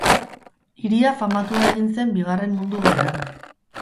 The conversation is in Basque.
Hiria famatua egin zen Bigarren Mundu Gerran.